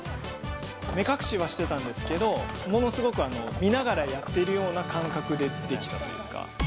目隠しはしてたんですけど、ものすごく見ながらやっているような感覚でできたというか。